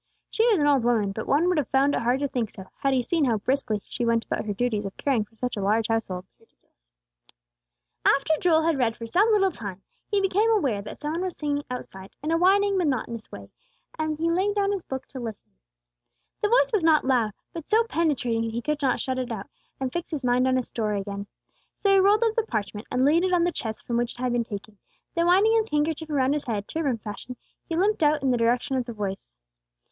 She was an old woman, but one would have found it hard to think so, had he seen how briskly she went about her duties of caring for such a large household. After Joel had read for some little time, he became aware that some one was singing outside, in a whining, monotonous way, and he laid down his book to listen. The voice was not loud, but so penetrating he could not shut it out, and fix his mind on his story again. So he rolled up the parchment and laid it on the chest from which it had been taken; then winding his handkerchief around his head, turban fashion, he limped out in the direction of the voice.